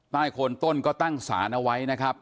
ใต้คนต้นก็ตั้งสารไว้นะครับ